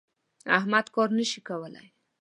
احمد کار نه شي کولای.